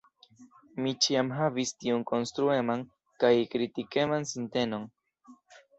Mi ĉiam havis tiun konstrueman kaj kritikeman sintenon.